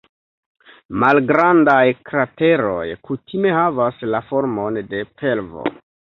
Malgrandaj krateroj kutime havas la formon de pelvo.